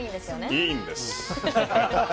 いいんです。